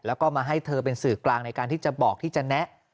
แล้วก็มาให้เธอเป็นสื่อกลางในการที่จะบอกที่จะแนะ